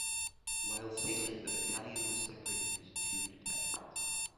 While sailing the battalion was separated into two detachments.